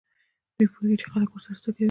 دوی پوهېږي چې خلک ورسره څه کوي.